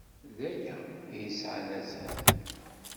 D aya ay yesɛan azal.